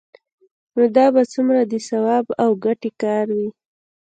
نو دا به څومره د ثواب او ګټې کار وي؟